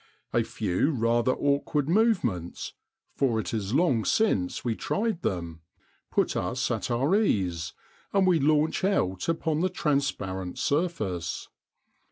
A few rather awkward movements, for it is long since we tried them, put us at our ease, and we launch out upon the transparent surface.